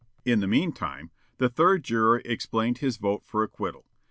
In the meantime, the third juror explained his vote for acquittal.